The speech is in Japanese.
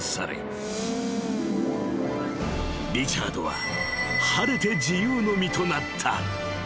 ［リチャードは晴れて自由の身となった］